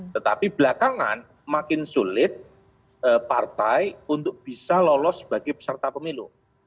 tetapi belakangan makin sulit partai untuk bisa lolos sebagai peserta pemilu